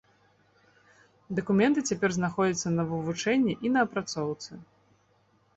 Дакументы цяпер знаходзяцца на вывучэнні і на апрацоўцы.